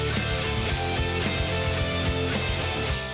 โปรดติดตามตอนต่อไป